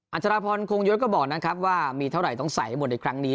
อาจารย์พรคงยศก็บอกนะครับว่ามีเท่าไหร่ต้องใส่ให้หมดในครั้งนี้